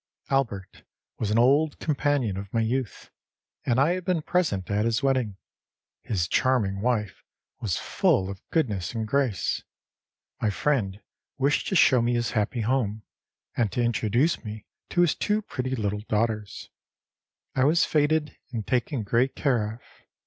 Albert was an old companion of my youth, and I had been present at his wedding. His charming wife was full of goodness and grace. My friend wished to show me his happy home, and to introduce me to his two pretty little daughters. I was feted and taken great care of.